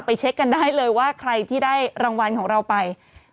เช็คกันได้เลยว่าใครที่ได้รางวัลของเราไป